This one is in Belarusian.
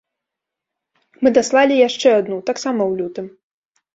Мы даслалі яшчэ адну, таксама ў лютым.